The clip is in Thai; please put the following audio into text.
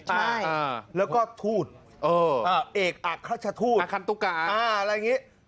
ใช่แล้วก็ทูตเออเอกอัคชทูตอัคคันตุกาอ่าอะไรอย่างงี้